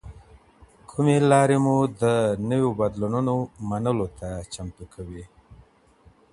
کومي لاري مو د نویو بدلونونو منلو ته چمتو کوي؟